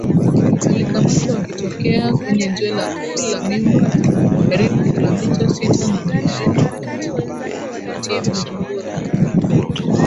walikamatwa wakitokea kwenye jela kuu la mimba karibu kilomita sita na mjini kati bujumbura